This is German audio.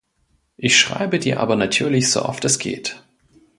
Ich schreibe dir aber natürlich so oft es geht.